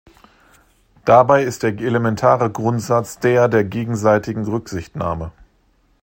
Dabei ist der elementare Grundsatz der der gegenseitigen Rücksichtnahme.